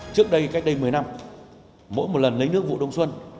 trước đây cách đây một mươi năm mỗi lần lấy nước vũ đông xuân